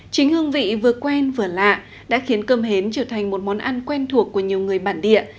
chính hương vị vừa quen vừa lạ đã khiến cơm hến trở thành một món ăn quen thuộc của nhiều người bản địa